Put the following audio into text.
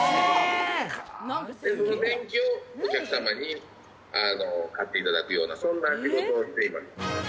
電気をお客様に買っていただくような、そんな仕事をしています。